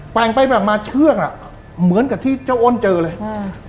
่งไปแบบมาเชือกอ่ะเหมือนกับที่เจ้าอ้นเจอเลยอืม